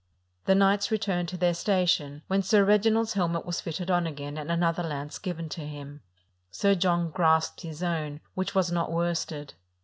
The knights returned to their station, when Sir Reg inald's helmet was fitted on again, and another lance given to him: Sir John grasped his own, which was not worsted.